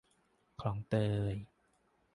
คลองเตย